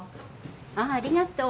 ああありがとう。